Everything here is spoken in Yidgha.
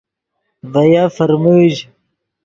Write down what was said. ڤے یف فرمژ